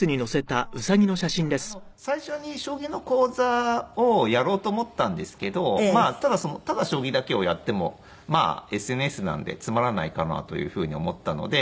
これ最初に将棋の講座をやろうと思ったんですけどただ将棋だけをやってもＳＮＳなのでつまらないかなというふうに思ったので。